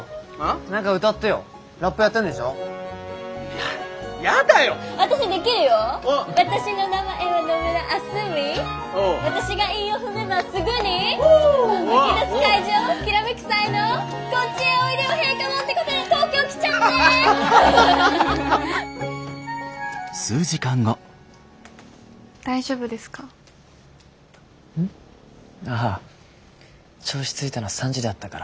ああ銚子着いたの３時だったから。